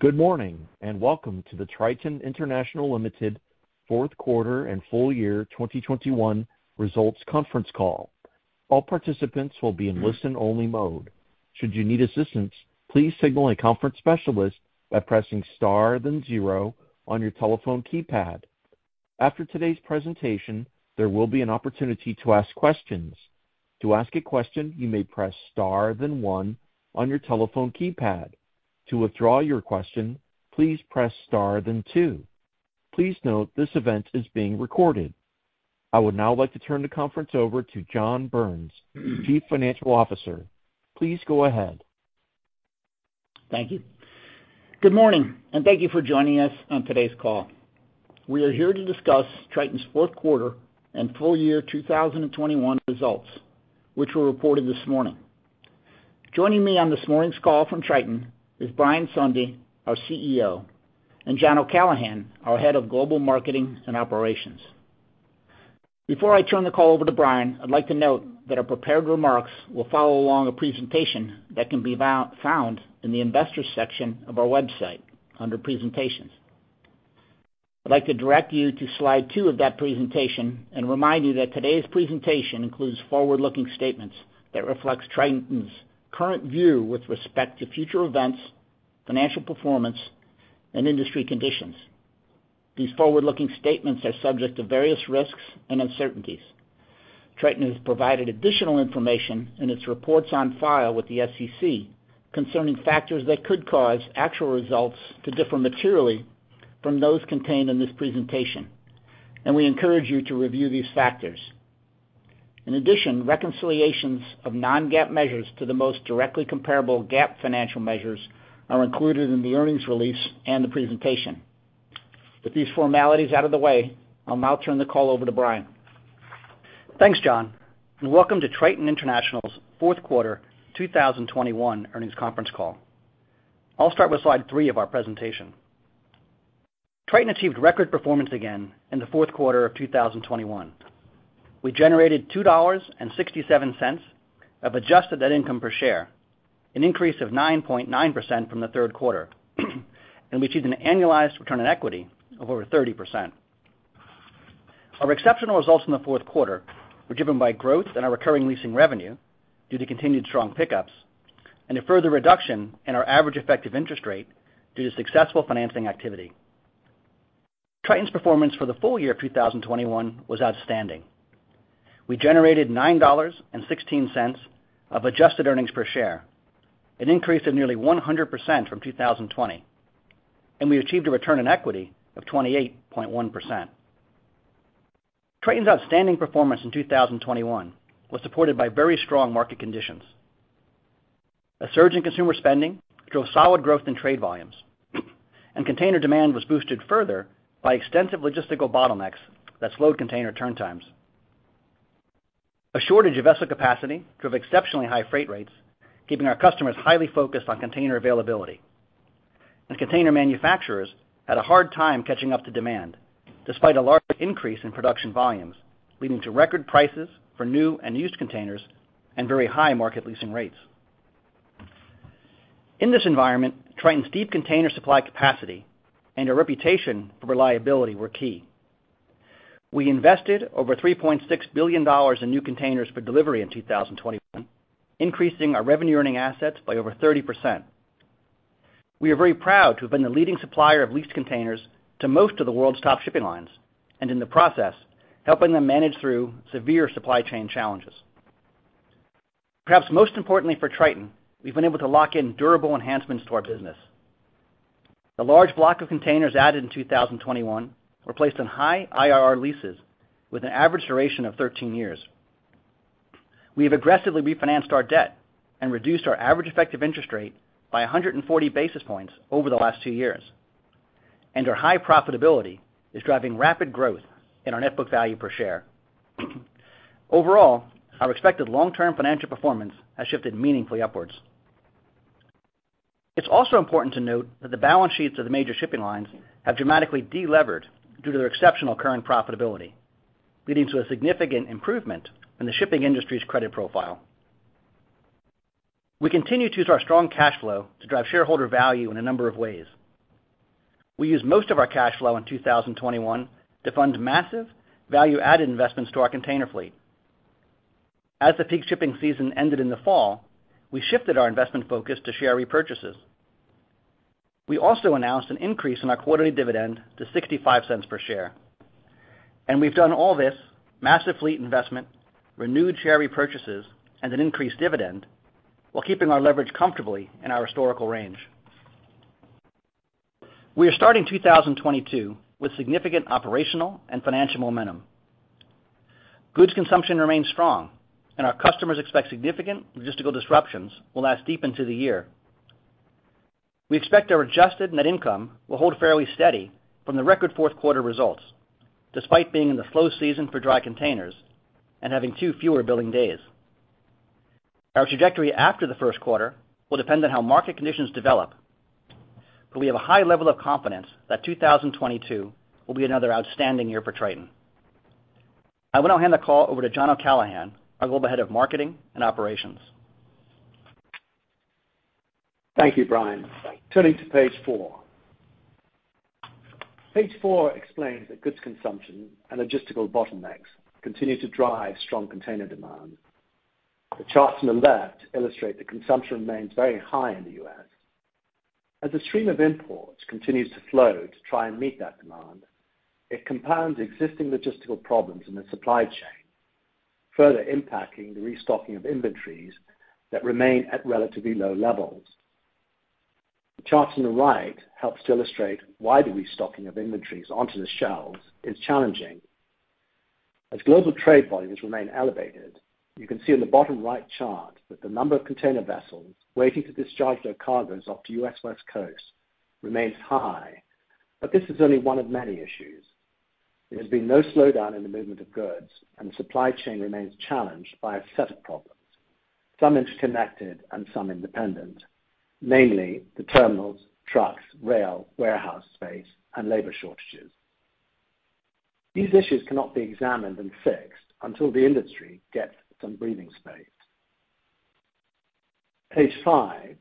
Good morning, and welcome to the Triton International Limited fourth quarter and full year 2021 results conference call. All participants will be in listen-only mode. Should you need assistance, please signal a conference specialist by pressing star, then zero on your telephone keypad. After today's presentation, there will be an opportunity to ask questions. To ask a question, you may press star then one on your telephone keypad. To withdraw your question, please press star then two. Please note this event is being recorded. I would now like to turn the conference over to John Burns, Chief Financial Officer. Please go ahead. Thank you. Good morning, and thank you for joining us on today's call. We are here to discuss Triton's fourth quarter and full year 2021 results, which were reported this morning. Joining me on this morning's call from Triton is Brian Sondey, our CEO, and John O'Callaghan, our head of global marketing and operations. Before I turn the call over to Brian, I'd like to note that our prepared remarks will follow along a presentation that can be found in the Investors section of our website under presentations. I'd like to direct you to slide two of that presentation and remind you that today's presentation includes forward-looking statements that reflects Triton's current view with respect to future events, financial performance, and industry conditions. These forward-looking statements are subject to various risks and uncertainties. Triton has provided additional information in its reports on file with the SEC concerning factors that could cause actual results to differ materially from those contained in this presentation, and we encourage you to review these factors. In addition, reconciliations of non-GAAP measures to the most directly comparable GAAP financial measures are included in the earnings release and the presentation. With these formalities out of the way, I'll now turn the call over to Brian. Thanks, John, and welcome to Triton International's fourth quarter 2021 earnings conference call. I'll start with slide three of our presentation. Triton achieved record performance again in the fourth quarter of 2021. We generated $2.67 of adjusted net income per share, an increase of 9.9% from the third quarter, and we achieved an annualized return on equity of over 30%. Our exceptional results in the fourth quarter were driven by growth in our recurring leasing revenue due to continued strong pickups and a further reduction in our average effective interest rate due to successful financing activity. Triton's performance for the full year of 2021 was outstanding. We generated $9.16 of adjusted earnings per share, an increase of nearly 100% from 2020, and we achieved a return on equity of 28.1%. Triton's outstanding performance in 2021 was supported by very strong market conditions. A surge in consumer spending drove solid growth in trade volumes, and container demand was boosted further by extensive logistical bottlenecks that slowed container turn times. A shortage of vessel capacity drove exceptionally high freight rates, keeping our customers highly focused on container availability. Container manufacturers had a hard time catching up to demand, despite a large increase in production volumes, leading to record prices for new and used containers and very high market leasing rates. In this environment, Triton's deep container supply capacity and a reputation for reliability were key. We invested over $3.6 billion in new containers for delivery in 2021, increasing our revenue-earning assets by over 30%. We are very proud to have been the leading supplier of leased containers to most of the world's top shipping lines, and in the process, helping them manage through severe supply chain challenges. Perhaps most importantly for Triton, we've been able to lock in durable enhancements to our business. The large block of containers added in 2021 were placed in high IRR leases with an average duration of 13 years. We have aggressively refinanced our debt and reduced our average effective interest rate by 140 basis points over the last two years, and our high profitability is driving rapid growth in our net book value per share. Overall, our expected long-term financial performance has shifted meaningfully upwards. It's also important to note that the balance sheets of the major shipping lines have dramatically delevered due to their exceptional current profitability, leading to a significant improvement in the shipping industry's credit profile. We continue to use our strong cash flow to drive shareholder value in a number of ways. We used most of our cash flow in 2021 to fund massive value-added investments to our container fleet. As the peak shipping season ended in the fall, we shifted our investment focus to share repurchases. We also announced an increase in our quarterly dividend to $0.65 per share. We've done all this, massive fleet investment, renewed share repurchases, and an increased dividend, while keeping our leverage comfortably in our historical range. We are starting 2022 with significant operational and financial momentum. Goods consumption remains strong and our customers expect significant logistical disruptions will last deep into the year. We expect our adjusted net income will hold fairly steady from the record fourth quarter results, despite being in the slow season for dry containers and having two fewer billing days. Our trajectory after the first quarter will depend on how market conditions develop, but we have a high level of confidence that 2022 will be another outstanding year for Triton. I will now hand the call over to John O'Callaghan, our Global Head of Marketing and Operations. Thank you, Brian. Turning to page four. Page four explains that goods consumption and logistical bottlenecks continue to drive strong container demand. The charts on the left illustrate that consumption remains very high in the U.S. As the stream of imports continues to flow to try and meet that demand, it compounds existing logistical problems in the supply chain, further impacting the restocking of inventories that remain at relatively low levels. The chart on the right helps to illustrate why the restocking of inventories onto the shelves is challenging. As global trade volumes remain elevated, you can see in the bottom right chart that the number of container vessels waiting to discharge their cargos off the U.S. West Coast remains high. This is only one of many issues. There has been no slowdown in the movement of goods, and the supply chain remains challenged by a set of problems, some interconnected and some independent, mainly the terminals, trucks, rail, warehouse space, and labor shortages. These issues cannot be examined and fixed until the industry gets some breathing space. Page five.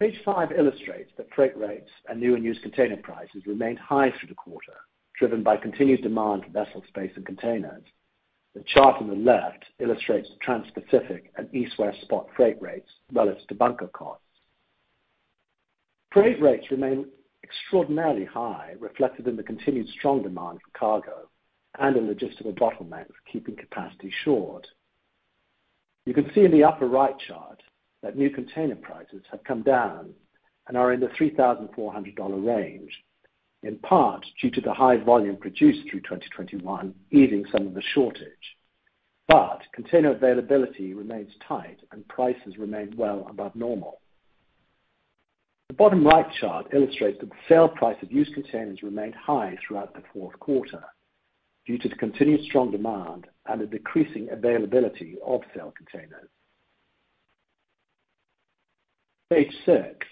Page five illustrates that freight rates and new and used container prices remained high through the quarter, driven by continued demand for vessel space and containers. The chart on the left illustrates Transpacific and East-West spot freight rates, relative to bunker costs. Freight rates remain extraordinarily high, reflected in the continued strong demand for cargo and the logistical bottlenecks keeping capacity short. You can see in the upper right chart that new container prices have come down and are in the $3,400 range, in part due to the high volume produced through 2021 easing some of the shortage. Container availability remains tight and prices remain well above normal. The bottom right chart illustrates that the sale price of used containers remained high throughout the fourth quarter due to the continued strong demand and a decreasing availability of sale containers. Page six.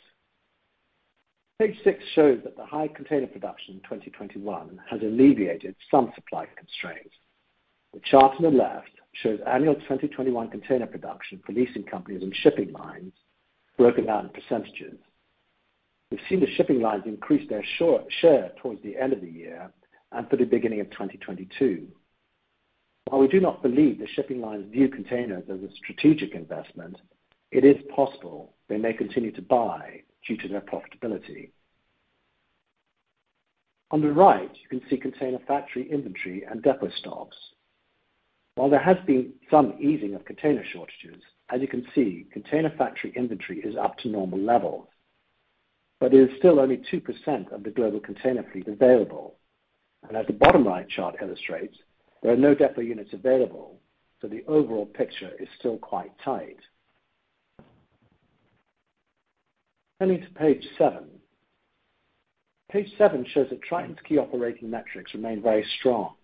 Page six shows that the high container production in 2021 has alleviated some supply constraints. The chart on the left shows annual 2021 container production for leasing companies and shipping lines broken down in percentages. We've seen the shipping lines increase their share towards the end of the year and for the beginning of 2022. While we do not believe the shipping lines view containers as a strategic investment, it is possible they may continue to buy due to their profitability. On the right, you can see container factory inventory and depot stocks. While there has been some easing of container shortages, as you can see, container factory inventory is up to normal levels. It is still only 2% of the global container fleet available. As the bottom right chart illustrates, there are no depot units available, so the overall picture is still quite tight. Turning to page seven. Page seven shows that Triton's key operating metrics remain very strong.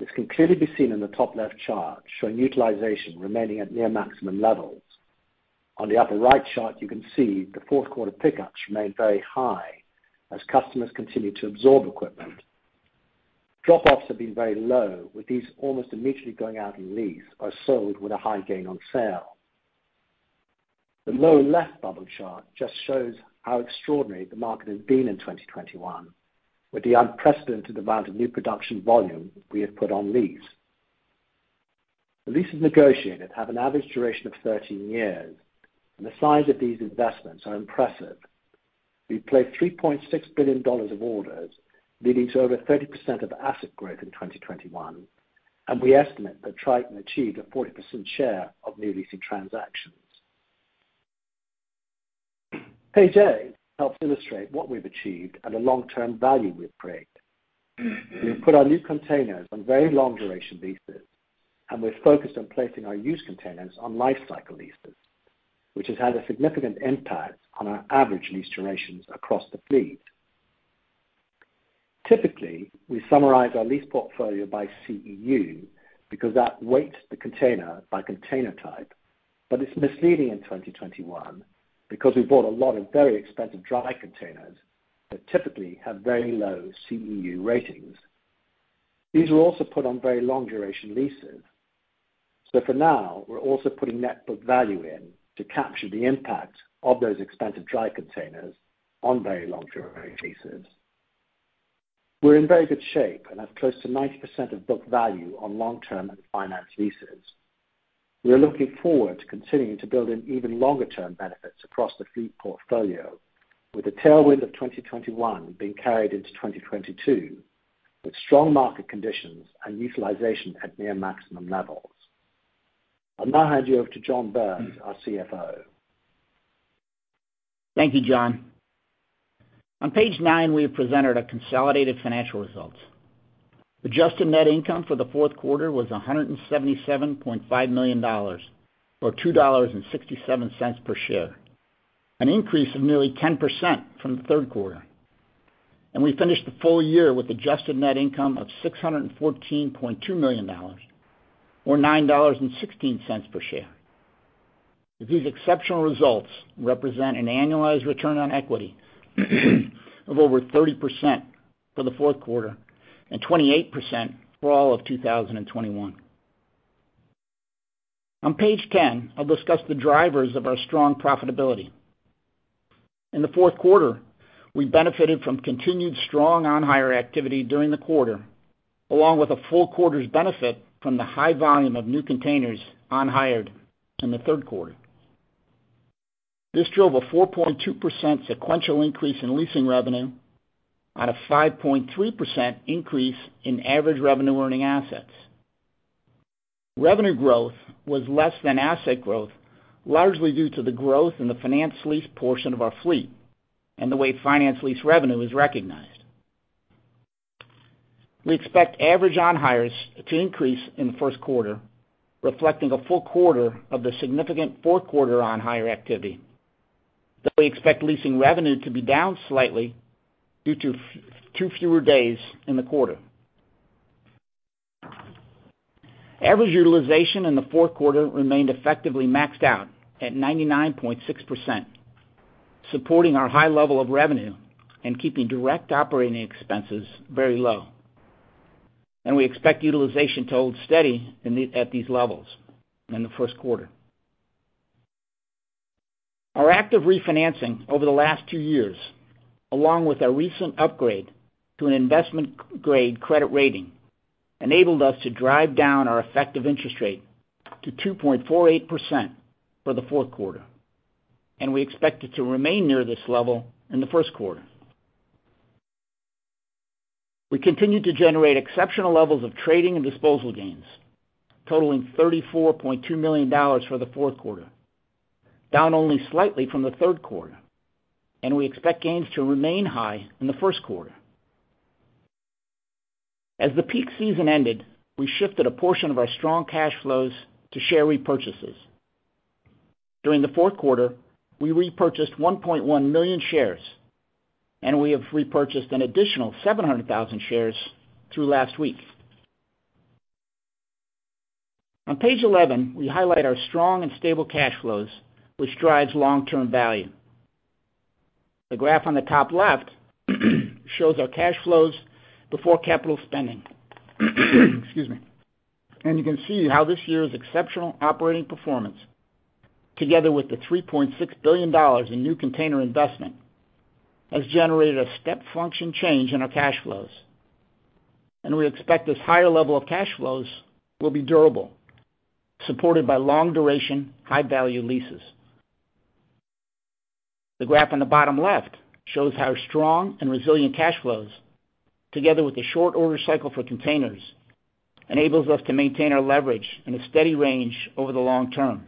This can clearly be seen in the top left chart, showing utilization remaining at near maximum levels. On the upper right chart, you can see the fourth quarter pickups remained very high as customers continued to absorb equipment. Drop-offs have been very low, with these almost immediately going out on lease or sold with a high gain on sale. The lower left bubble chart just shows how extraordinary the market has been in 2021, with the unprecedented amount of new production volume we have put on lease. The leases negotiated have an average duration of 13 years, and the size of these investments are impressive. We placed $3.6 billion of orders, leading to over 30% of asset growth in 2021, and we estimate that Triton achieved a 40% share of new leasing transactions. Page eight helps illustrate what we've achieved and the long-term value we've created. We have put our new containers on very long duration leases, and we're focused on placing our used containers on Lifecycle Leases, which has had a significant impact on our average lease durations across the fleet. Typically, we summarize our lease portfolio by CEU because that weights the container by container type, but it's misleading in 2021 because we bought a lot of very expensive Dry containers that typically have very low CEU ratings. These were also put on very long duration leases. For now, we're also putting net book value in to capture the impact of those expensive Dry containers on very long duration leases. We're in very good shape and have close to 90% of book value on long-term and Finance leases. We are looking forward to continuing to build in even longer-term benefits across the fleet portfolio with the tailwind of 2021 being carried into 2022, with strong market conditions and utilization at near maximum levels. I'll now hand you over to John Burns, our CFO. Thank you, John. On page nine, we have presented our consolidated financial results. Adjusted net income for the fourth quarter was $177.5 million, or $2.67 per share, an increase of nearly 10% from the third quarter. We finished the full year with adjusted net income of $614.2 million or $9.16 per share. These exceptional results represent an annualized return on equity of over 30% for the fourth quarter and 28% for all of 2021. On page 10, I'll discuss the drivers of our strong profitability. In the fourth quarter, we benefited from continued strong on-hire activity during the quarter, along with a full quarter's benefit from the high volume of new containers on hire in the third quarter. This drove a 4.2% sequential increase in leasing revenue on a 5.3% increase in average revenue-earning assets. Revenue growth was less than asset growth, largely due to the growth in the finance lease portion of our fleet and the way finance lease revenue is recognized. We expect average on hires to increase in the first quarter, reflecting a full quarter of the significant fourth quarter on-hire activity. Though we expect leasing revenue to be down slightly due to two fewer days in the quarter. Average utilization in the fourth quarter remained effectively maxed out at 99.6%, supporting our high level of revenue and keeping direct operating expenses very low, and we expect utilization to hold steady at these levels in the first quarter. Our active refinancing over the last two years, along with a recent upgrade to an investment-grade credit rating, enabled us to drive down our effective interest rate to 2.48% for the fourth quarter, and we expect it to remain near this level in the first quarter. We continued to generate exceptional levels of trading and disposal gains, totaling $34.2 million for the fourth quarter, down only slightly from the third quarter, and we expect gains to remain high in the first quarter. As the peak season ended, we shifted a portion of our strong cash flows to share repurchases. During the fourth quarter, we repurchased 1.1 million shares, and we have repurchased an additional 700,000 shares through last week. On page 11, we highlight our strong and stable cash flows, which drives long-term value. The graph on the top left shows our cash flows before capital spending. Excuse me. You can see how this year's exceptional operating performance, together with the $3.6 billion in new container investment, has generated a step function change in our cash flows. We expect this higher level of cash flows will be durable, supported by long-duration, high-value leases. The graph on the bottom left shows how strong and resilient cash flows, together with the short order cycle for containers, enables us to maintain our leverage in a steady range over the long term.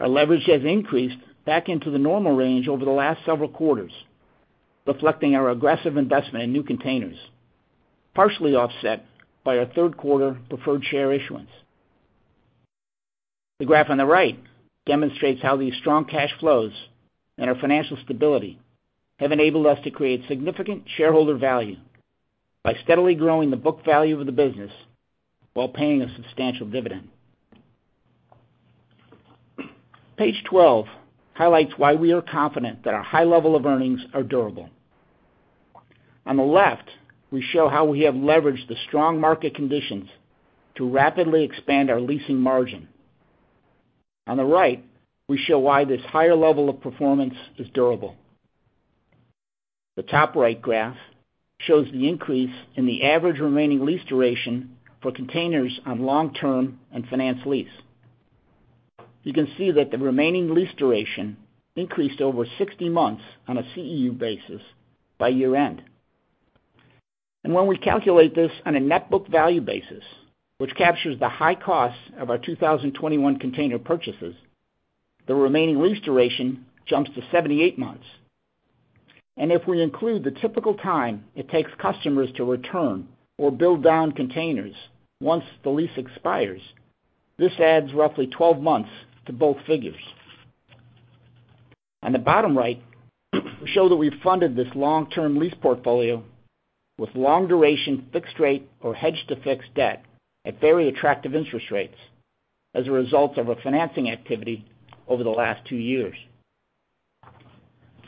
Our leverage has increased back into the normal range over the last several quarters, reflecting our aggressive investment in new containers, partially offset by our third quarter preferred share issuance. The graph on the right demonstrates how these strong cash flows and our financial stability have enabled us to create significant shareholder value by steadily growing the book value of the business while paying a substantial dividend. Page 12 highlights why we are confident that our high level of earnings are durable. On the left, we show how we have leveraged the strong market conditions to rapidly expand our leasing margin. On the right, we show why this higher level of performance is durable. The top right graph shows the increase in the average remaining lease duration for containers on long-term and finance lease. You can see that the remaining lease duration increased over 60 months on a CEU basis by year-end. When we calculate this on a net book value basis, which captures the high cost of our 2021 container purchases, the remaining lease duration jumps to 78 months. If we include the typical time it takes customers to return or wind down containers once the lease expires, this adds roughly 12 months to both figures. On the bottom right, we show that we funded this long-term lease portfolio with long duration, fixed rate or hedged to fixed debt at very attractive interest rates as a result of a financing activity over the last two years.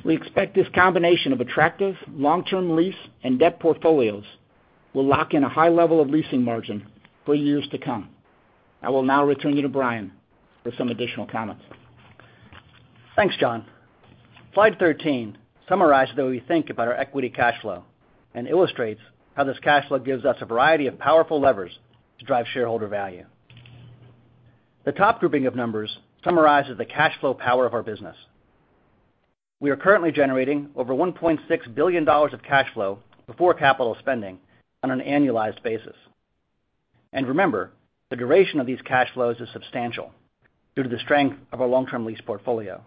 We expect this combination of attractive long-term lease and debt portfolios will lock in a high level of leasing margin for years to come. I will now return you to Brian for some additional comments. Thanks, John. Slide 13 summarizes how we think about our equity cash flow and illustrates how this cash flow gives us a variety of powerful levers to drive shareholder value. The top grouping of numbers summarizes the cash flow power of our business. We are currently generating over $1.6 billion of cash flow before capital spending on an annualized basis. Remember, the duration of these cash flows is substantial due to the strength of our long-term lease portfolio.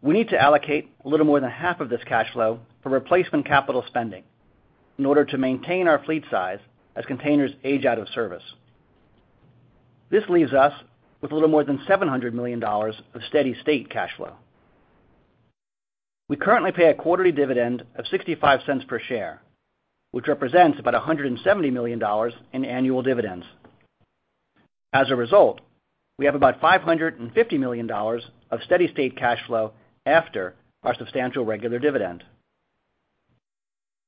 We need to allocate a little more than half of this cash flow for replacement capital spending in order to maintain our fleet size as containers age out of service. This leaves us with a little more than $700 million of steady state cash flow. We currently pay a quarterly dividend of $0.65 per share, which represents about $170 million in annual dividends. As a result, we have about $550 million of steady state cash flow after our substantial regular dividend.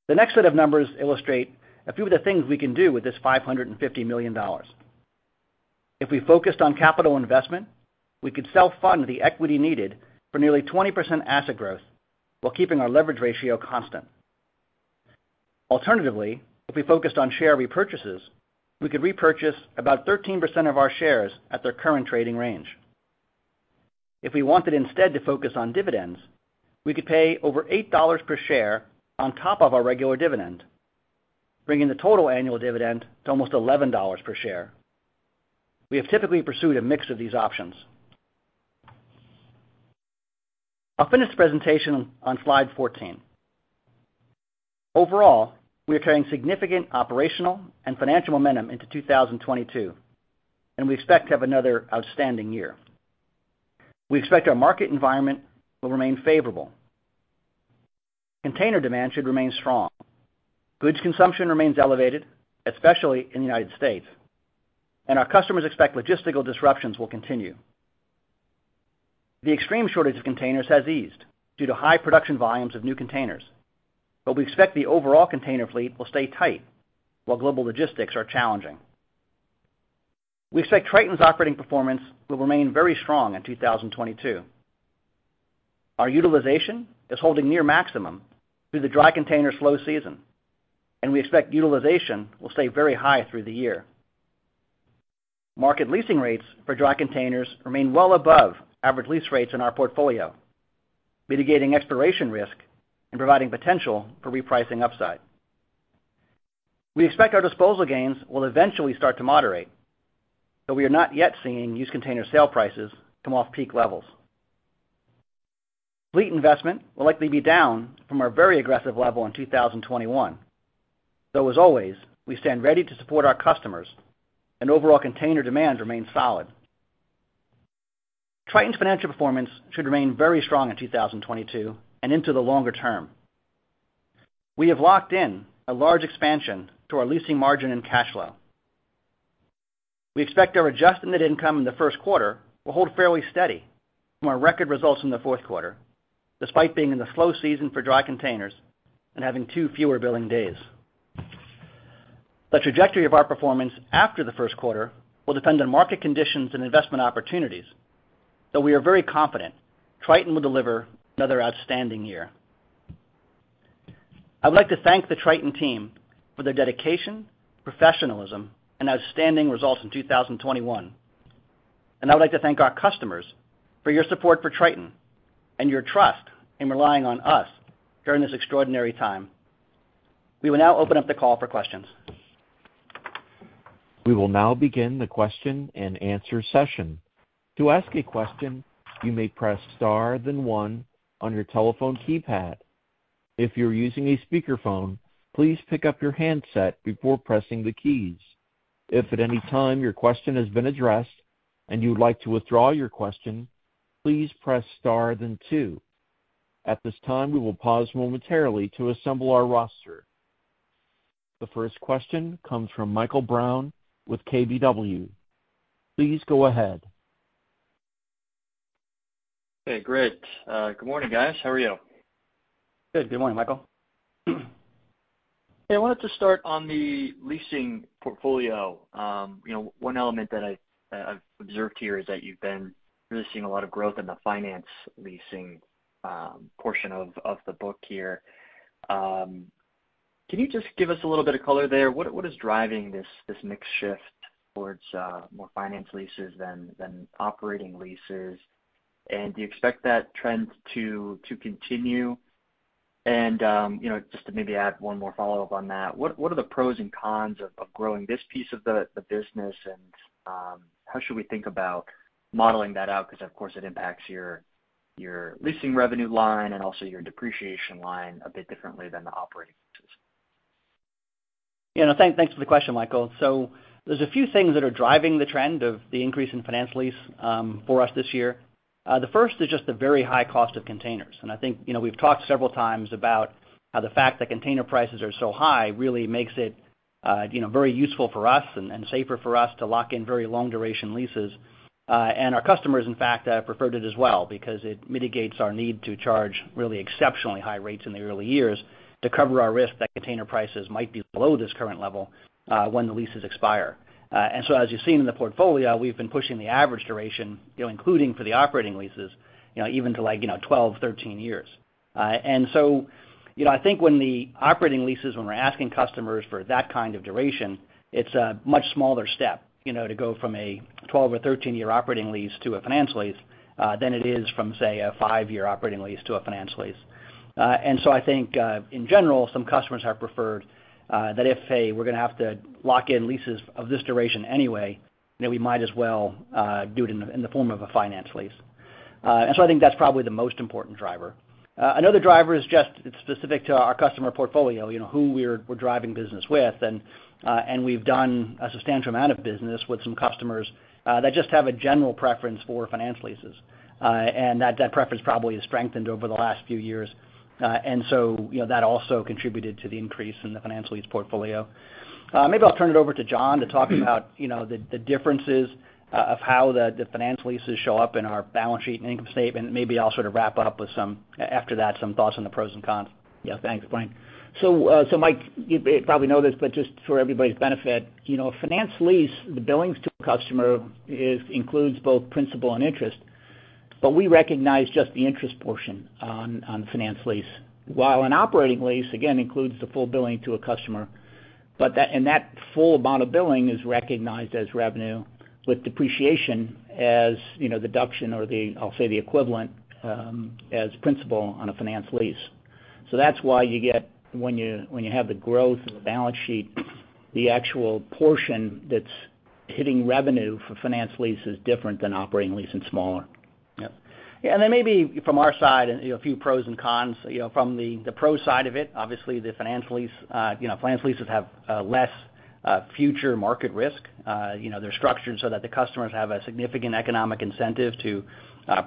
The next set of numbers illustrate a few of the things we can do with this $550 million. If we focused on capital investment, we could self-fund the equity needed for nearly 20% asset growth while keeping our leverage ratio constant. Alternatively, if we focused on share repurchases, we could repurchase about 13% of our shares at their current trading range. If we wanted instead to focus on dividends, we could pay over $8 per share on top of our regular dividend, bringing the total annual dividend to almost $11 per share. We have typically pursued a mix of these options. I'll finish the presentation on slide 14. Overall, we are carrying significant operational and financial momentum into 2022, and we expect to have another outstanding year. We expect our market environment will remain favorable. Container demand should remain strong. Goods consumption remains elevated, especially in the United States, and our customers expect logistical disruptions will continue. The extreme shortage of containers has eased due to high production volumes of new containers, but we expect the overall container fleet will stay tight while global logistics are challenging. We expect Triton's operating performance will remain very strong in 2022. Our utilization is holding near maximum through the Dry container slow season, and we expect utilization will stay very high through the year. Market leasing rates for Dry containers remain well above average lease rates in our portfolio, mitigating expiration risk and providing potential for repricing upside. We expect our disposal gains will eventually start to moderate, but we are not yet seeing used container sale prices come off peak levels. Fleet investment will likely be down from our very aggressive level in 2021, though as always, we stand ready to support our customers and overall container demand remains solid. Triton's financial performance should remain very strong in 2022 and into the longer term. We have locked in a large expansion to our leasing margin and cash flow. We expect our adjusted net income in the first quarter will hold fairly steady from our record results in the fourth quarter, despite being in the slow season for Dry containers and having two fewer billing days. The trajectory of our performance after the first quarter will depend on market conditions and investment opportunities, though we are very confident Triton will deliver another outstanding year. I would like to thank the Triton team for their dedication, professionalism, and outstanding results in 2021. I would like to thank our customers for your support for Triton and your trust in relying on us during this extraordinary time. We will now open up the call for questions. We will now begin the question-and-answer session. To ask a question, you may press star, then one on your telephone keypad. If you're using a speakerphone, please pick up your handset before pressing the keys. If at any time your question has been addressed and you would like to withdraw your question, please press star then two. At this time, we will pause momentarily to assemble our roster. The first question comes from Michael Brown with KBW. Please go ahead. Hey, great. Good morning, guys. How are you? Good. Good morning, Michael. Hey, I wanted to start on the leasing portfolio. You know, one element that I've observed here is that you've been really seeing a lot of growth in the finance leasing portion of the book here. Can you just give us a little bit of color there? What is driving this mix shift towards more finance leases than operating leases? And do you expect that trend to continue? You know, just to maybe add one more follow-up on that, what are the pros and cons of growing this piece of the business? And how should we think about modeling that out? Because, of course, it impacts your leasing revenue line and also your depreciation line a bit differently than the operating leases. Thanks for the question, Michael. There's a few things that are driving the trend of the increase in finance lease for us this year. The first is just the very high cost of containers. I think, you know, we've talked several times about how the fact that container prices are so high really makes it, you know, very useful for us and safer for us to lock in very long duration leases. Our customers, in fact, preferred it as well because it mitigates our need to charge really exceptionally high rates in the early years to cover our risk that container prices might be below this current level when the leases expire. As you've seen in the portfolio, we've been pushing the average duration, you know, including for the operating leases, you know, even to, like, 12-13 years. I think when the operating leases, when we're asking customers for that kind of duration, it's a much smaller step, you know, to go from a 12 or 13 year operating lease to a finance lease than it is from, say, a five year operating lease to a finance lease. I think, in general, some customers have preferred that if, say, we're gonna have to lock in leases of this duration anyway, you know, we might as well do it in the form of a finance lease. I think that's probably the most important driver. Another driver is just it's specific to our customer portfolio, you know, who we're driving business with. We've done a substantial amount of business with some customers that just have a general preference for finance leases. That preference probably has strengthened over the last few years. You know, that also contributed to the increase in the finance lease portfolio. Maybe I'll turn it over to John to talk about, you know, the differences of how the finance leases show up in our balance sheet and income statement. Maybe I'll sort of wrap up with some after that, some thoughts on the pros and cons. Yeah. Thanks, Brian. Michael, you may probably know this, but just for everybody's benefit, you know, a finance lease, the billings to a customer includes both principal and interest. We recognize just the interest portion on finance lease, while an operating lease, again, includes the full billing to a customer. That full amount of billing is recognized as revenue with depreciation as, you know, the deduction or the, I'll say, the equivalent, as principal on a finance lease. That's why you get when you have the growth in the balance sheet, the actual portion that's hitting revenue for finance lease is different than operating lease and smaller. Yep. Yeah, maybe from our side, you know, a few pros and cons. You know, from the pro side of it, obviously the finance lease, you know, finance leases have less future market risk. You know, they're structured so that the customers have a significant economic incentive to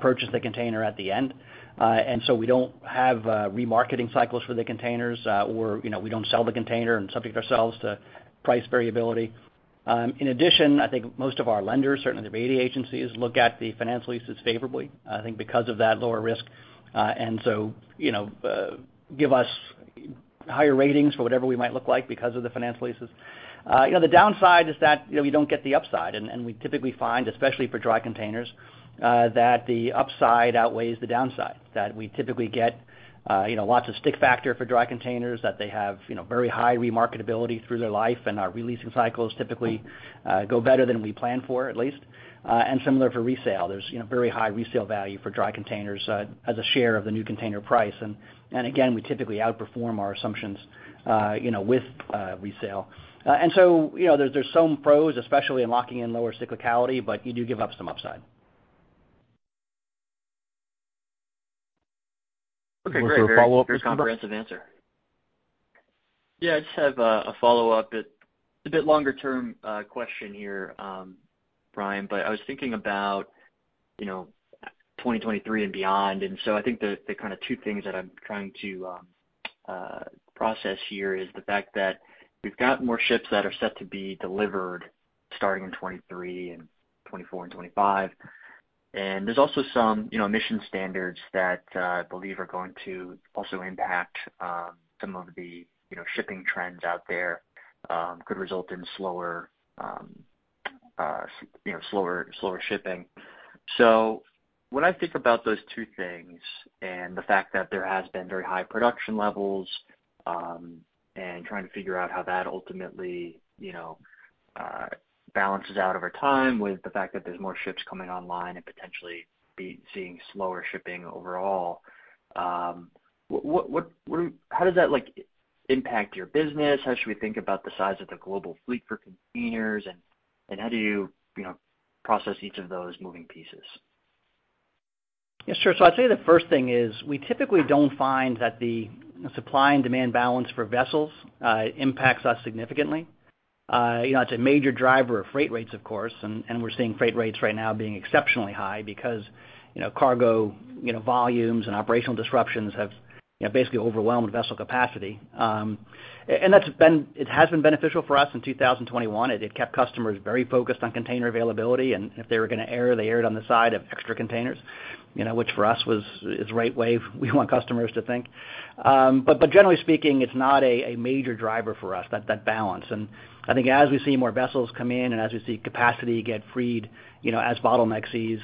purchase the container at the end. We don't have remarketing cycles for the containers, or, you know, we don't sell the container and subject ourselves to price variability. In addition, I think most of our lenders, certainly the rating agencies, look at the finance leases favorably, I think because of that lower risk. You know, give us higher ratings for whatever we might look like because of the finance leases. You know, the downside is that, you know, we don't get the upside, and we typically find, especially for Dry containers, that the upside outweighs the downside. That we typically get, you know, lots of stick factor for Dry containers, that they have, you know, very high remarketability through their life, and our releasing cycles typically go better than we plan for at least. Similar for resale. There's, you know, very high resale value for Dry containers, as a share of the new container price. Again, we typically outperform our assumptions, you know, with resale. You know, there's some pros, especially in locking in lower cyclicality, but you do give up some upside. Okay, great. You want to follow up with this, Michael? Very comprehensive answer. Yeah, I just have a follow-up. It's a bit longer term question here, Brian, but I was thinking about, you know, 2023 and beyond. I think the kind of two things that I'm trying to process here is the fact that we've got more ships that are set to be delivered starting in 2023 and 2024 and 2025. There's also some, you know, emission standards that I believe are going to also impact some of the shipping trends out there, could result in slower shipping. When I think about those two things and the fact that there has been very high production levels and trying to figure out how that ultimately, you know, balances out over time with the fact that there's more ships coming online and potentially we're seeing slower shipping overall, how does that, like, impact your business? How should we think about the size of the global fleet for containers? How do you know, process each of those moving pieces? Yeah, sure. I'd say the first thing is we typically don't find that the supply and demand balance for vessels impacts us significantly. You know, it's a major driver of freight rates, of course, and we're seeing freight rates right now being exceptionally high because, you know, cargo volumes and operational disruptions have, you know, basically overwhelmed vessel capacity. It has been beneficial for us in 2021. It kept customers very focused on container availability, and if they were gonna err, they erred on the side of extra containers, you know, which for us is the right way we want customers to think. But generally speaking, it's not a major driver for us, that balance. I think as we see more vessels come in and as we see capacity get freed, you know, as bottlenecks ease,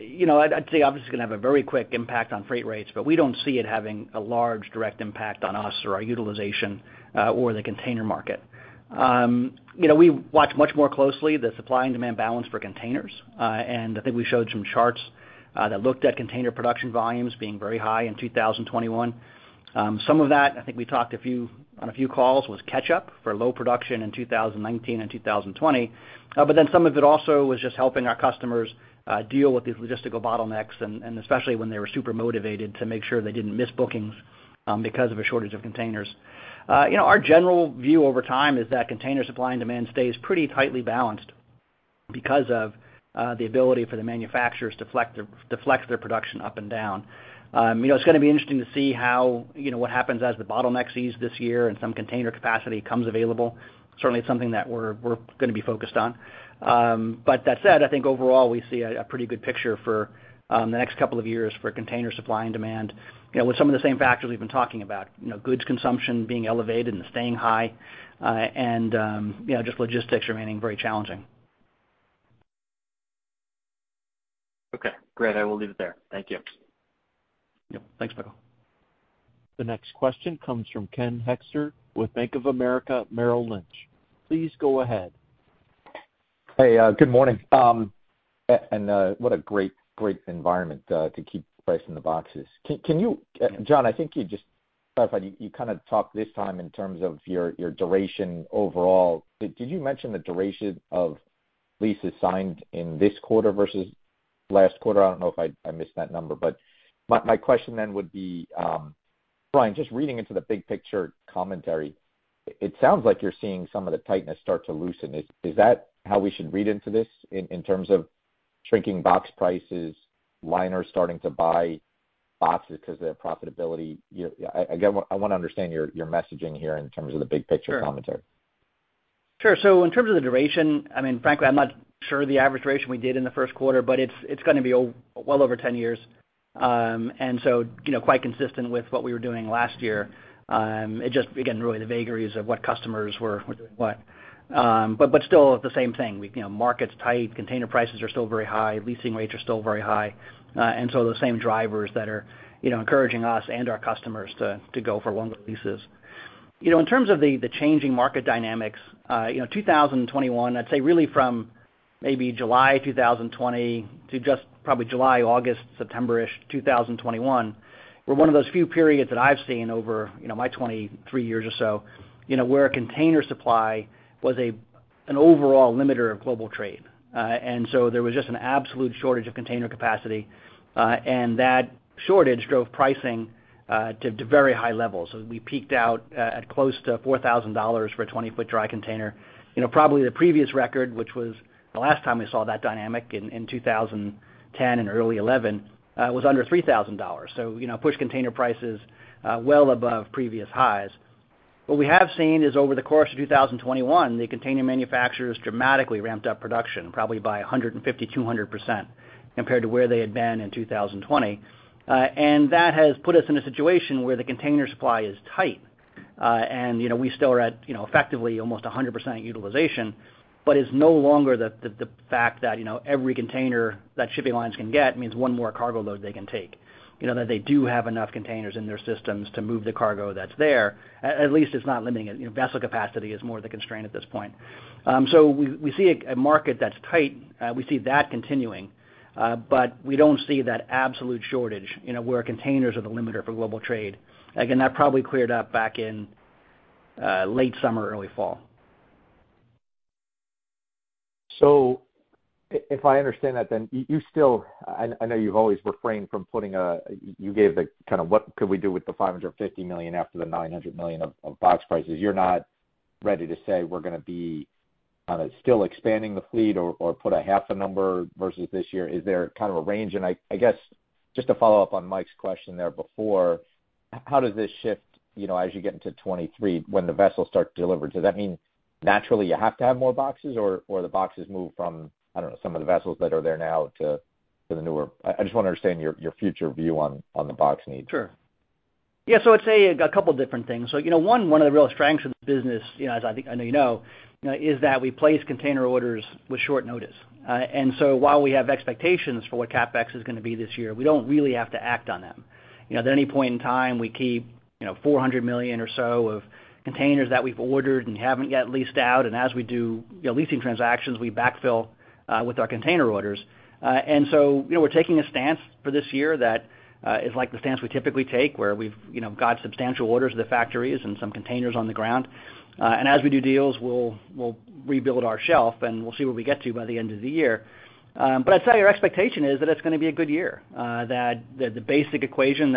you know, I'd say obviously it's gonna have a very quick impact on freight rates, but we don't see it having a large direct impact on us or our utilization, or the container market. You know, we watch much more closely the supply and demand balance for containers. I think we showed some charts that looked at container production volumes being very high in 2021. Some of that, I think we talked on a few calls, was catch up for low production in 2019 and 2020. Some of it also was just helping our customers deal with these logistical bottlenecks and especially when they were super motivated to make sure they didn't miss bookings because of a shortage of containers. You know, our general view over time is that container supply and demand stays pretty tightly balanced because of the ability for the manufacturers to flex their production up and down. You know, it's gonna be interesting to see how you know what happens as the bottleneck eases this year and some container capacity comes available. Certainly, it's something that we're gonna be focused on. That said, I think overall, we see a pretty good picture for the next couple of years for container supply and demand, you know, with some of the same factors we've been talking about. You know, goods consumption being elevated and staying high, you know, just logistics remaining very challenging. Okay, great. I will leave it there. Thank you. Yep. Thanks, Michael. The next question comes from Ken Hoexter with Bank of America Merrill Lynch. Please go ahead. Hey, good morning. What a great environment to keep pricing the boxes. Can you, John, I think you just clarified, you kind of talked this time in terms of your duration overall. Did you mention the duration of leases signed in this quarter versus last quarter? I don't know if I missed that number. My question then would be, Brian, just reading into the big picture commentary, it sounds like you're seeing some of the tightness start to loosen. Is that how we should read into this in terms of shrinking box prices, liners starting to buy boxes because of their profitability? You know, again, I wanna understand your messaging here in terms of the big picture commentary. Sure. Sure. In terms of the duration, I mean, frankly, I'm not sure the average duration we did in the first quarter, but it's gonna be well over 10 years. You know, quite consistent with what we were doing last year. It just, again, really the vagaries of what customers were doing what. But still the same thing. We, you know, market's tight, container prices are still very high, leasing rates are still very high. Those same drivers that are, you know, encouraging us and our customers to go for longer leases. You know, in terms of the changing market dynamics, you know, 2021, I'd say really from maybe July 2020 to just probably July, August, September-ish 2021, were one of those few periods that I've seen over, you know, my 23 years or so, you know, where a container supply was an overall limiter of global trade. There was just an absolute shortage of container capacity, and that shortage drove pricing to very high levels. We peaked out at close to $4,000 for a 20-foot Dry container. You know, probably the previous record, which was the last time we saw that dynamic in 2010 and early 2011, was under $3,000. You know, pushed container prices well above previous highs. What we have seen is over the course of 2021, the container manufacturers dramatically ramped up production probably by 150%-200% compared to where they had been in 2020. That has put us in a situation where the container supply is tight. You know, we still are at, you know, effectively almost 100% utilization, but it's no longer the fact that, you know, every container that shipping lines can get means one more cargo load they can take. You know, that they do have enough containers in their systems to move the cargo that's there. At least it's not limiting it. You know, vessel capacity is more the constraint at this point. We see a market that's tight. We see that continuing, but we don't see that absolute shortage, you know, where containers are the limiter for global trade. Again, that probably cleared up back in late summer, early fall. If I understand that then, you still—I know you've always refrained from putting a, you gave the kind of what could we do with the $550 million after the $900 million of box prices. You're not ready to say we're gonna be still expanding the fleet or put a half a number versus this year. Is there kind of a range? I guess, just to follow up on Michael's question there before, how does this shift, you know, as you get into 2023 when the vessels start to deliver? Does that mean naturally you have to have more boxes or the boxes move from, I don't know, some of the vessels that are there now to the newer? I just wanna understand your future view on the box need. Sure. Yeah, I'd say a couple different things. You know, one of the real strengths of the business, you know, as I think, I know you know, you know, is that we place container orders with short notice. While we have expectations for what CapEx is gonna be this year, we don't really have to act on them. You know, at any point in time, we keep, you know, $400 million or so of containers that we've ordered and haven't yet leased out. As we do, you know, leasing transactions, we backfill with our container orders. You know, we're taking a stance for this year that is like the stance we typically take where we've, you know, got substantial orders at the factories and some containers on the ground. As we do deals, we'll rebuild our shelf, and we'll see what we get to by the end of the year. I'd say our expectation is that it's gonna be a good year, that the basic equation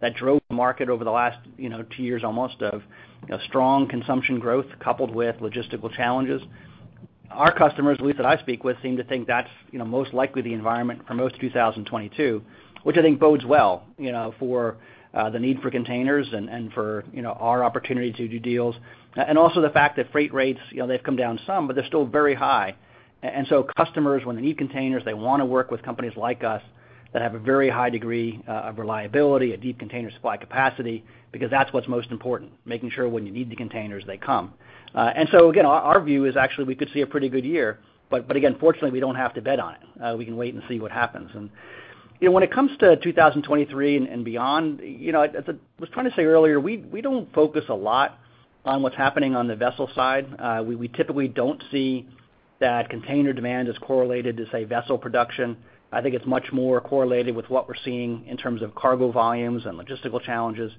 that drove the market over the last, you know, two years almost of, you know, strong consumption growth coupled with logistical challenges. Our customers, at least that I speak with, seem to think that's, you know, most likely the environment for most of 2022, which I think bodes well, you know, for the need for containers and for, you know, our opportunity to do deals. Also the fact that freight rates, you know, they've come down some, but they're still very high. Customers, when they need containers, they wanna work with companies like us that have a very high degree of reliability, a deep container supply capacity because that's what's most important, making sure when you need the containers, they come. Our view is actually we could see a pretty good year, but again, fortunately, we don't have to bet on it. We can wait and see what happens. You know, when it comes to 2023 and beyond, you know, as I was trying to say earlier, we don't focus a lot on what's happening on the vessel side. We typically don't see that container demand is correlated to, say, vessel production. I think it's much more correlated with what we're seeing in terms of cargo volumes and logistical challenges.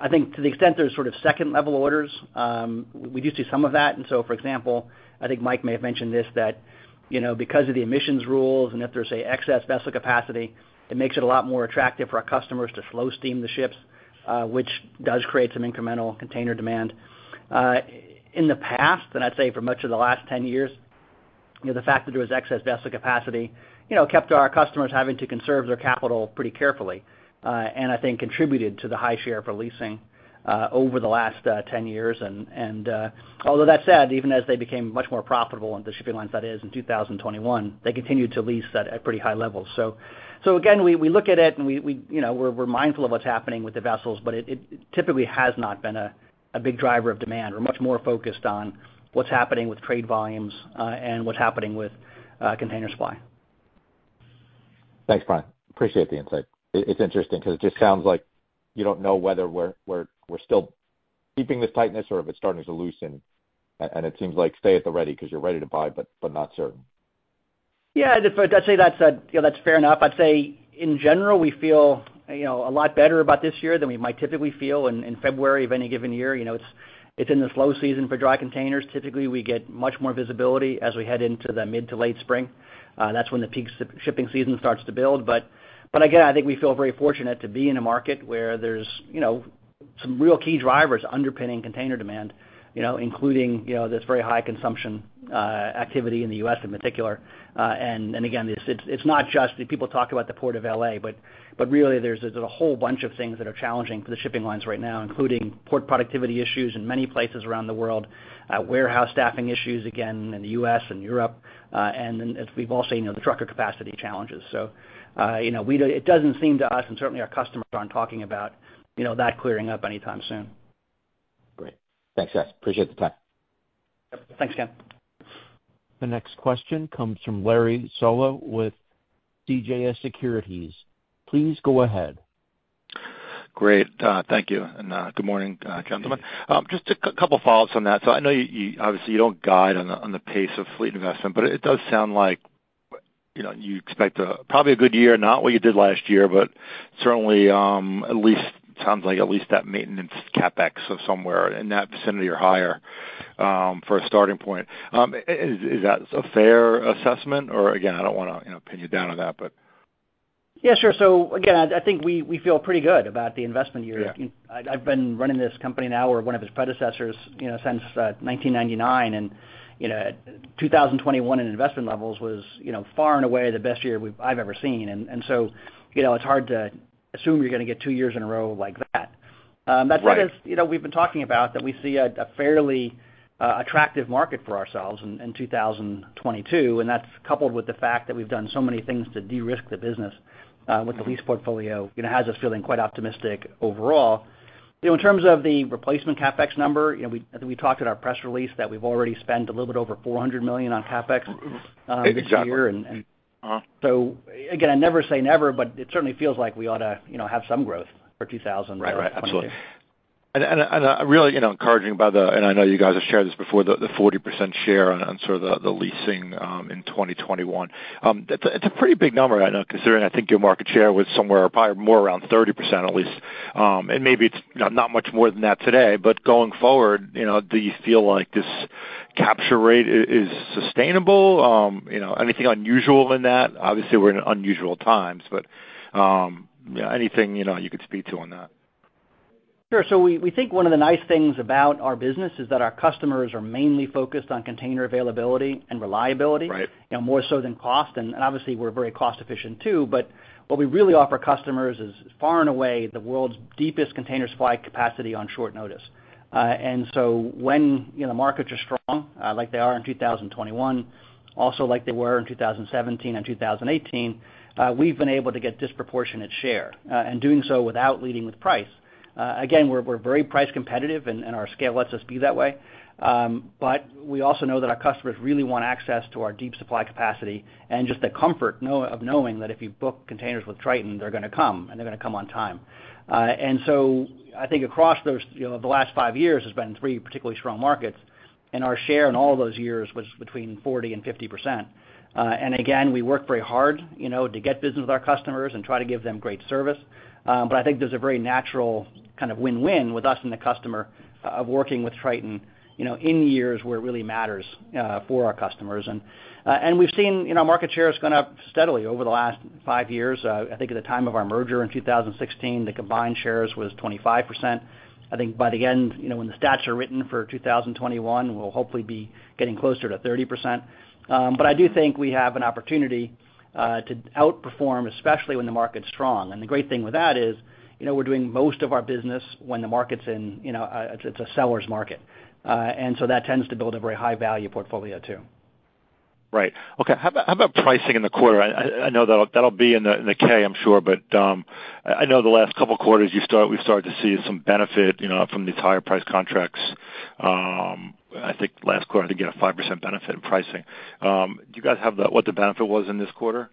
I think to the extent there's sort of second-level orders, we do see some of that. For example, I think Michael may have mentioned this, that, you know, because of the emissions rules and if there's, say, excess vessel capacity, it makes it a lot more attractive for our customers to slow steaming the ships, which does create some incremental container demand. In the past, and I'd say for much of the last 10 years, you know, the fact that there was excess vessel capacity, you know, kept our customers having to conserve their capital pretty carefully, and I think contributed to the high share for leasing, over the last, 10 years. Although that said, even as they became much more profitable, the shipping lines that is, in 2021, they continued to lease at pretty high levels. Again, we look at it, and we, you know, we're mindful of what's happening with the vessels, but it typically has not been a big driver of demand. We're much more focused on what's happening with trade volumes, and what's happening with container supply. Thanks, Brian. I appreciate the insight. It's interesting 'cause it just sounds like you don't know whether we're still keeping this tightness or if it's starting to loosen. It seems like stay at the ready 'cause you're ready to buy but not certain. Yeah, I'd say that's, you know, that's fair enough. I'd say in general, we feel, you know, a lot better about this year than we might typically feel in February of any given year. You know, it's in the slow season for dry containers. Typically, we get much more visibility as we head into the mid to late spring. That's when the peak shipping season starts to build. But again, I think we feel very fortunate to be in a market where there's, you know, some real key drivers underpinning container demand, you know, including, you know, this very high consumption activity in the U.S. in particular. Again, it's not just the people talk about the Port of L.A., but really there's a whole bunch of things that are challenging for the shipping lines right now, including port productivity issues in many places around the world, warehouse staffing issues, again, in the U.S. and Europe, and then as we've all seen, you know, the trucker capacity challenges. You know, it doesn't seem to us, and certainly our customers aren't talking about, you know, that clearing up anytime soon. Great. Thanks, guys. Appreciate the time. Yep. Thanks again. The next question comes from Larry Solow with CJS Securities. Please go ahead. Great. Thank you, and good morning, gentlemen. Just a couple follow-ups on that. I know you obviously don't guide on the pace of fleet investment, but it does sound like, you know, you expect probably a good year, not what you did last year, but certainly at least sounds like that maintenance CapEx of somewhere in that vicinity or higher for a starting point. Is that a fair assessment? Or again, I don't wanna, you know, pin you down on that, but. Yeah, sure. Again, I think we feel pretty good about the investment year. Yeah. I've been running this company now or one of its predecessors, you know, since 1999, and, you know, 2021 in investment levels was, you know, far and away the best year I've ever seen. It's hard to assume you're gonna get two years in a row like that. I think as— Right You know, we've been talking about that we see a fairly attractive market for ourselves in 2022, and that's coupled with the fact that we've done so many things to de-risk the business with the lease portfolio, you know, has us feeling quite optimistic overall. You know, in terms of the replacement CapEx number, you know, we, I think we talked at our press release that we've already spent a little bit over $400 million on CapEx this year. Exactly. Again, I never say never, but it certainly feels like we ought to, you know, have some growth for 2022. Right. Absolutely. Really, you know, encouraging by the. I know you guys have shared this before, the 40% share on sort of the leasing in 2021. It's a pretty big number, I know, considering I think your market share was somewhere probably more around 30% at least. Maybe it's, you know, not much more than that today, but going forward, you know, do you feel like this capture rate is sustainable? You know, anything unusual in that? Obviously, we're in unusual times, but you know, anything you could speak to on that. Sure. We think one of the nice things about our business is that our customers are mainly focused on container availability and reliability. Right You know, more so than cost. Obviously we're very cost efficient too, but what we really offer customers is, far and away, the world's deepest container supply capacity on short notice. When, you know, markets are strong, like they are in 2021, also like they were in 2017 and 2018, we've been able to get disproportionate share, and doing so without leading with price. Again, we're very price competitive and our scale lets us be that way. We also know that our customers really want access to our deep supply capacity and just the comfort of knowing that if you book containers with Triton, they're gonna come, and they're gonna come on time. I think across those, you know, the last five years has been three particularly strong markets, and our share in all those years was between 40% and 50%. Again, we work very hard, you know, to get business with our customers and try to give them great service. I think there's a very natural kind of win-win with us and the customer of working with Triton, you know, in years where it really matters for our customers. We've seen, you know, our market share has gone up steadily over the last five years. I think at the time of our merger in 2016, the combined shares was 25%. I think by the end, you know, when the stats are written for 2021, we'll hopefully be getting closer to 30%. I do think we have an opportunity to outperform, especially when the market's strong. The great thing with that is, you know, we're doing most of our business when the market's in, you know, it's a seller's market. That tends to build a very high value portfolio too. Right. Okay. How about pricing in the quarter? I know that'll be in the 10-K, I'm sure. I know the last couple quarters we've started to see some benefit, you know, from these higher priced contracts. I think last quarter you had a 5% benefit in pricing. Do you guys have what the benefit was in this quarter?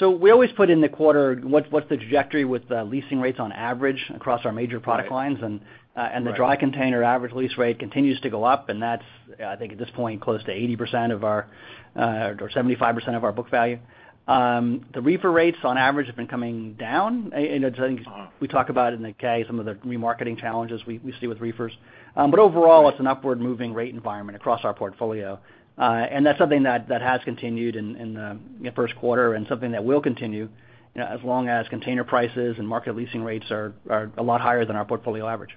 We always put in the quarter what's the trajectory with the leasing rates on average across our major product lines? Right. The Dry container average lease rate continues to go up, and that's, I think at this point close to 80% of our or 75% of our book value. The reefer rates on average have been coming down. I think we talk about in the 10-K some of the remarketing challenges we see with reefers. But overall, it's an upward moving rate environment across our portfolio. That's something that has continued in the first quarter and something that will continue, you know, as long as container prices and market leasing rates are a lot higher than our portfolio average.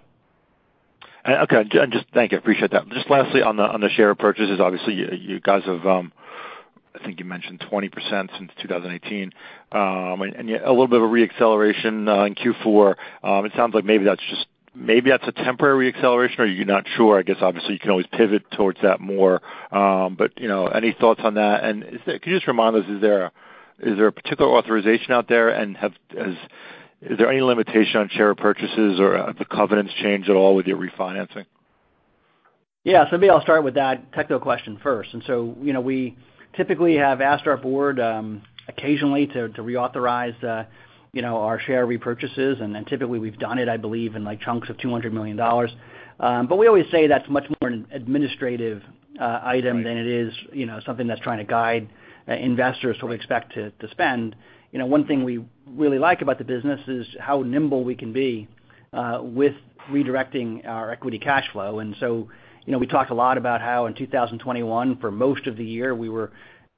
Thank you. Appreciate that. Just lastly on the share purchases, obviously you guys have, I think you mentioned 20% since 2018. And a little bit of a re-acceleration in Q4. It sounds like maybe that's a temporary acceleration, or you're not sure. I guess obviously you can always pivot towards that more. You know, any thoughts on that? Can you just remind us, is there a particular authorization out there, and has there been any limitation on share purchases or have the covenants changed at all with your refinancing? Maybe I'll start with that technical question first. You know, we typically have asked our board occasionally to reauthorize you know, our share repurchases, and then typically we've done it, I believe, in like chunks of $200 million. We always say that's much more an administrative item than it is, you know, something that's trying to guide investors who expect to spend. You know, one thing we really like about the business is how nimble we can be with redirecting our equity cash flow. You know, we talked a lot about how in 2021, for most of the year, we were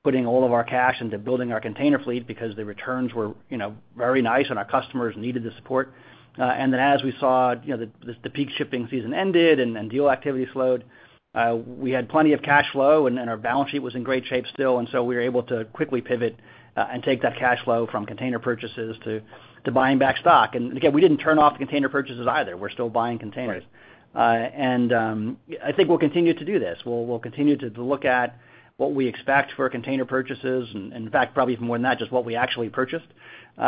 putting all of our cash into building our container fleet because the returns were, you know, very nice, and our customers needed the support. As we saw, the peak shipping season ended and deal activity slowed, we had plenty of cash flow, and then our balance sheet was in great shape still, and so we were able to quickly pivot and take that cash flow from container purchases to buying back stock. Again, we didn't turn off the container purchases either. We're still buying containers. Right. I think we'll continue to do this. We'll continue to look at what we expect for container purchases and in fact, probably even more than that, just what we actually purchased. You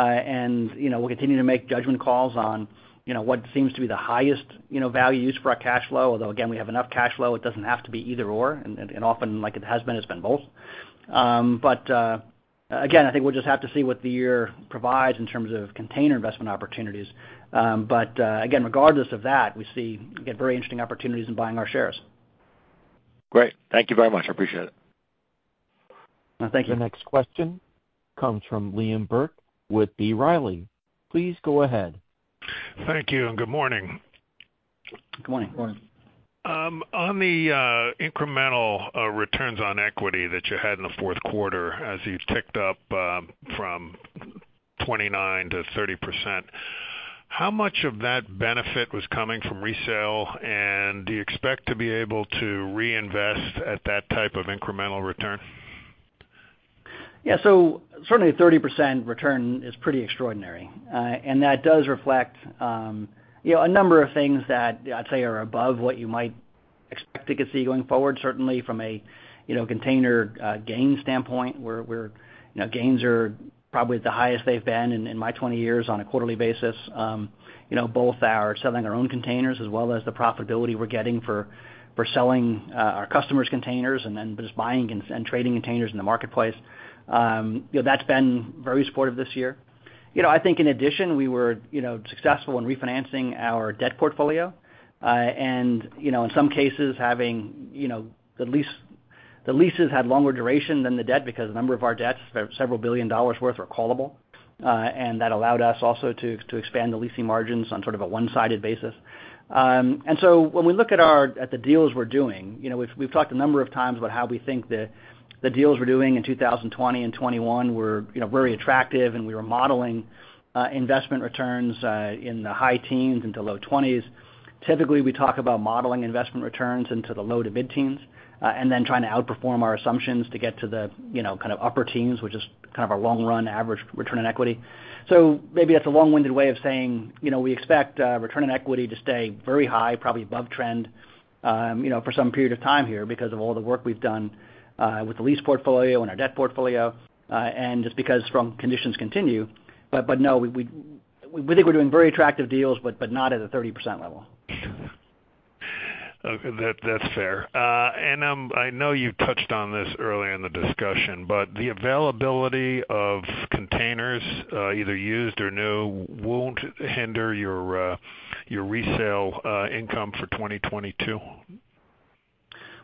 know, we'll continue to make judgment calls on you know, what seems to be the highest you know, values for our cash flow. Although again, we have enough cash flow, it doesn't have to be either/or, and often like it has been, it's been both. Again, I think we'll just have to see what the year provides in terms of container investment opportunities. Again, regardless of that, we see again, very interesting opportunities in buying our shares. Great. Thank you very much. I appreciate it. Thank you. The next question comes from Liam Burke with B. Riley. Please go ahead. Thank you, and good morning. Good morning. Good morning. On the incremental returns on equity that you had in the fourth quarter as you've ticked up from 29%-30%, how much of that benefit was coming from resale, and do you expect to be able to reinvest at that type of incremental return? Yeah. Certainly a 30% return is pretty extraordinary. That does reflect, you know, a number of things that, I'd say are above what you might expect to see going forward, certainly from a, you know, container gain standpoint, where, you know, gains are probably the highest they've been in my 20 years on a quarterly basis, you know, both our selling our own containers as well as the profitability we're getting for selling our customers' containers and then just buying and trading containers in the marketplace. You know, that's been very supportive this year. You know, I think in addition, we were, you know, successful in refinancing our debt portfolio. You know, in some cases, the leases had longer duration than the debt because a number of our debts, several billion dollars worth are callable, and that allowed us also to expand the leasing margins on sort of a one-sided basis. When we look at the deals we're doing, you know, we've talked a number of times about how we think the deals we're doing in 2020 and 2021 were, you know, very attractive, and we were modeling investment returns in the high teens into low 20s. Typically, we talk about modeling investment returns into the low to mid-teens, and then trying to outperform our assumptions to get to the, you know, kind of upper teens, which is kind of our long run average return on equity. Maybe that's a long-winded way of saying, you know, we expect return on equity to stay very high, probably above trend, you know, for some period of time here because of all the work we've done with the lease portfolio and our debt portfolio, and just because favorable conditions continue. But no, we think we're doing very attractive deals, but not at a 30% level. Okay. That's fair. I know you've touched on this early in the discussion, but the availability of containers, either used or new, won't hinder your resale income for 2022?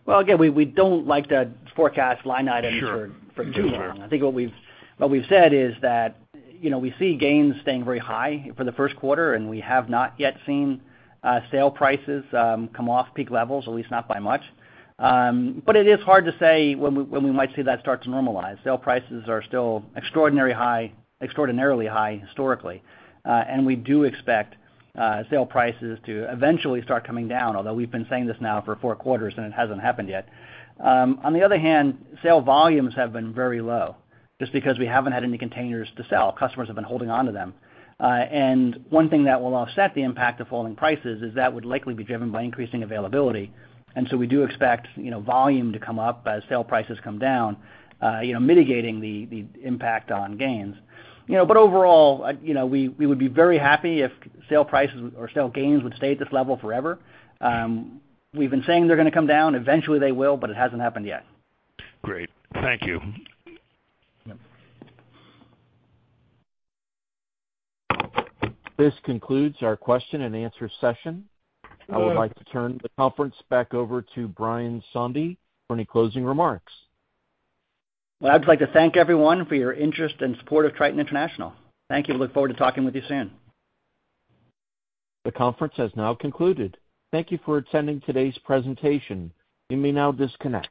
Well, again, we don't like to forecast line items. Sure. For too long. I think what we've said is that, you know, we see gains staying very high for the first quarter, and we have not yet seen sale prices come off peak levels, at least not by much. It is hard to say when we might see that start to normalize. Sale prices are still extraordinary high, extraordinarily high historically. We do expect sale prices to eventually start coming down, although we've been saying this now for four quarters and it hasn't happened yet. On the other hand, sale volumes have been very low just because we haven't had any containers to sell. Customers have been holding onto them. One thing that will offset the impact of falling prices is that would likely be driven by increasing availability. We do expect, you know, volume to come up as sale prices come down, you know, mitigating the impact on gains. You know, overall, you know, we would be very happy if sale prices or sale gains would stay at this level forever. We've been saying they're gonna come down. Eventually, they will, but it hasn't happened yet. Great. Thank you. Yep. This concludes our question-and-answer session. I would like to turn the conference back over to Brian Sondey for any closing remarks. Well, I'd like to thank everyone for your interest and support of Triton International. Thank you. I look forward to talking with you soon. The conference has now concluded. Thank you for attending today's presentation. You may now disconnect.